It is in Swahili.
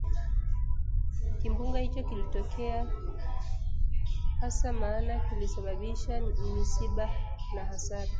Kimbunga hicho kilikuwa kimetokea hasa, maana kilisababisha misiba na hasara